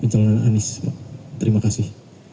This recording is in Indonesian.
pencalegan anies terima kasih